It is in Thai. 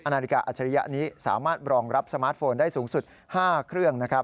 นาฬิกาอัจฉริยะนี้สามารถรองรับสมาร์ทโฟนได้สูงสุด๕เครื่องนะครับ